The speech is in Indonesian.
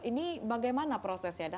ini bagaimana prosesnya